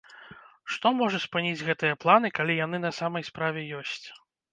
Што можа спыніць гэтыя планы, калі яны на самай справе ёсць?